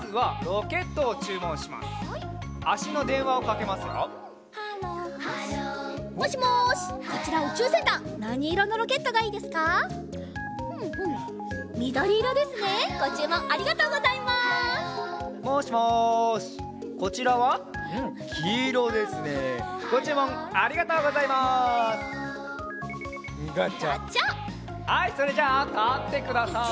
はいそれじゃあたってください！